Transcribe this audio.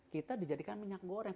kita dijadikan minyak goreng